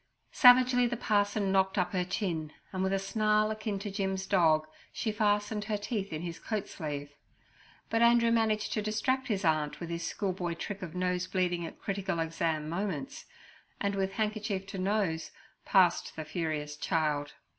Savagely the parson knocked up her chin, and with a snarl akin to Jim's dog she fastened her teeth in his coat sleeve. But Andrew managed to distract his aunt, with his schoolboy trick of nose bleeding at critical exam. moments, and with handkerchief to nose, passed the furious child.